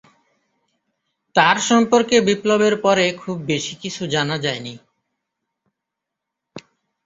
তার সম্পর্কে বিপ্লবের পরে খুব বেশি কিছু জানা যায়নি।